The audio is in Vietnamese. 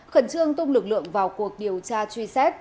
khẩn trương tung lực lượng vào cuộc điều tra truy xét